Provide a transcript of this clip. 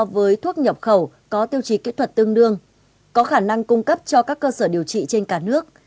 với thuốc nhập khẩu có tiêu chí kỹ thuật tương đương có khả năng cung cấp cho các cơ sở điều trị trên cả nước